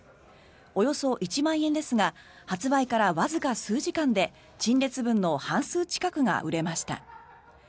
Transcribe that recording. およそ１万円ですが発売からわずか数時間で陳列分の半数近くが売れました。